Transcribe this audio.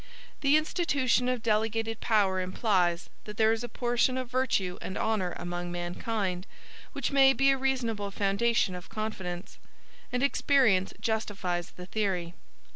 The institution of delegated power implies, that there is a portion of virtue and honor among mankind, which may be a reasonable foundation of confidence; and experience justifies the theory.